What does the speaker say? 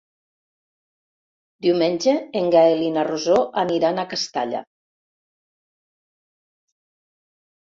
Diumenge en Gaël i na Rosó aniran a Castalla.